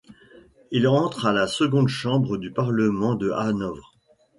Il entre à la seconde Chambre du Parlement de Hanovre.